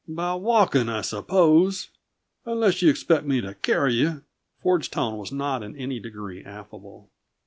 "By walking, I suppose unless you expect me to carry you." Ford's tone was not in any degree affable.